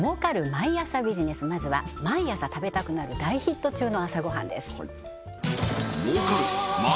毎朝ビジネスまずは毎朝食べたくなる大ヒット中の朝ごはんです